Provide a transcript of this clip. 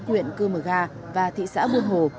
huyện cư mơ ga và thị xã buôn hồ